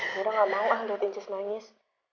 mira ga malah menurut inces nangis